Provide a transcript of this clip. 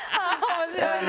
面白いな。